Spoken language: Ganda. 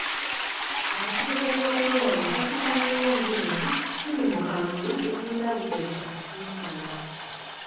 Akakiiko k'ebyokulonda kakimanyi bulungi nti tuli mu kalulu tetulina budde bukasisinkana.